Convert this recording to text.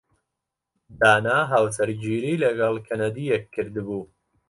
دانا هاوسەرگیریی لەگەڵ کەنەدییەک کردبوو.